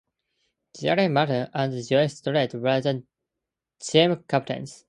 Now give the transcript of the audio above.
Jerry Mullane and Joe Sterrett were the team captains.